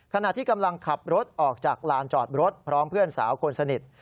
ขณะที่กำลังขับรถออกจากลานจอดรถพร้อมเพื่อนสาวคนสนิท